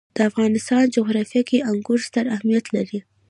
د افغانستان جغرافیه کې انګور ستر اهمیت لري.